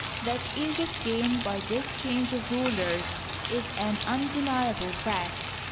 That Egypt gained by this change of rulers is an undeni able fact.